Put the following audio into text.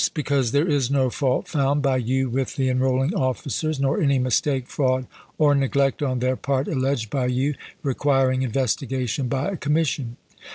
Because there is " no fault found " by you with the enrolling officers, nor any mistake, fraud, or neglect on their part alleged by you, requiring investigation by a commission.